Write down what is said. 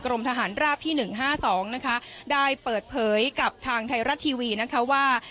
กรมทหารราชที่หนึ่งห้าสองนะคะได้เปิดเผยกับทางไทยรัฐทีวีนะคะว่า